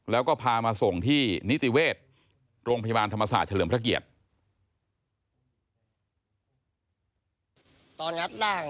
แล้วก็พามาส่งที่นิติเวชโรงพยาบาลธรรมศาสตร์เฉลิมพระเกียรติ